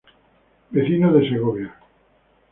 Vecino de Segovia.